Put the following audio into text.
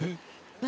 何？